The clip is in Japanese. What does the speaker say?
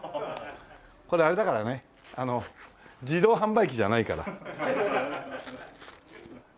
これあれだからね自動販売機じゃないから。